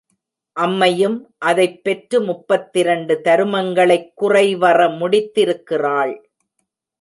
அம்மையுைம் அதைப் பெற்று முப்பத்திரண்டு தருமங்களைக் குறைவற முடித்திருக்கிறாள்.